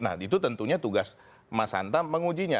nah itu tentunya tugas mas hanta mengujinya